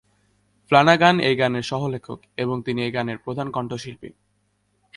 Flanagan এই গানের সহ-লেখক, এবং তিনি এই গানের প্রধান কন্ঠশিল্পী।